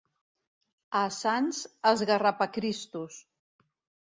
A Sants, esgarrapacristos.